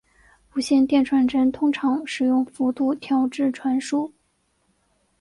无线电传真通常使用幅度调制传输。